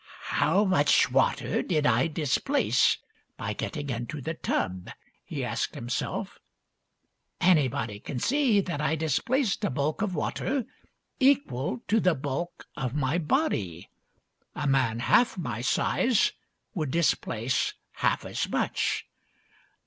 " How much water did I displace by getting into the tub ?" he asked himself. " Anybody can see that I displaced a bulk of water equal to the bulk of my body. A man half my size would displace half as much.